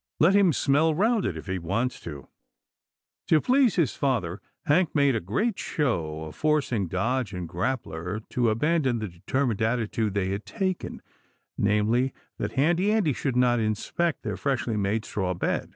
Let him smell round it, if he wants to." HANK BREAKS IMPORTANT NEWS 325 To please his father, Hank made a great show of forcing Dodge and Grappler to abandon the de termined attitude they had taken, namely, that Handy Andy should not inspect their freshly made straw bed.